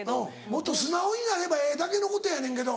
もっと素直になればええだけのことやねんけど。